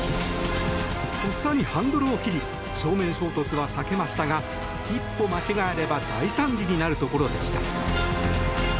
とっさにハンドルを切り正面衝突は避けましたが一歩間違えれば大惨事になるところでした。